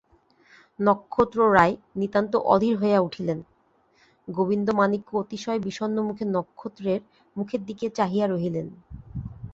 নক্ষত্ররায় নিতান্ত অধীর হইয়া উঠিলেন, গোবিন্দমাণিক্য অতিশয় বিষণ্নমুখে নক্ষত্রের মুখের দিকে চাহিয়া রহিলেন।